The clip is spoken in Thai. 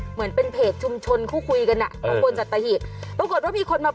เหมือนเป็นเพจชุมชนคู่คุยกันอ่ะของคนสัตหีบปรากฏว่ามีคนมา